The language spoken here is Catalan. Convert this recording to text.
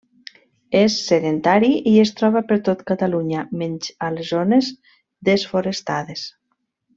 És sedentari i es troba per tot Catalunya, menys a les zones desforestades.